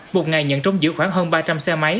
một ngày nhận trông giữ khoảng hơn ba trăm linh xe máy